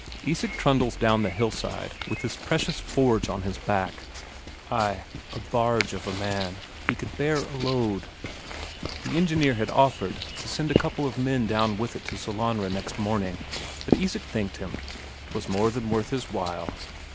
Isak trundles down the hillside with his precious forge on his back. Ay, a barge of a man, he could bear a load! The engineer had offered to send a couple of men down with it to Sellanraa next morning, but Isak thanked him 'twas more than worth his while.